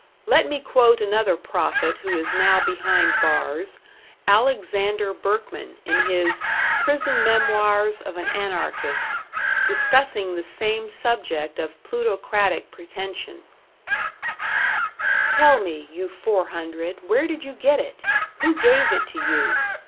Let me quote another prophet who is now behind bars Alexander Berkman, in his "Prison Memoirs of an Anarchist", discussing the same subject of plutocratic pretension: Tell me, you four hundred, where did you get it? Who gave it to you?